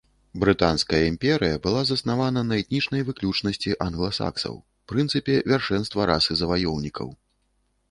Брытанская імперыя была заснавана на этнічнай выключнасці англасаксаў, прынцыпе вяршэнства расы заваёўнікаў.